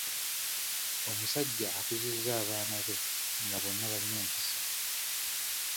Omusajja akuzizza abaana be nga bonna balina empisa.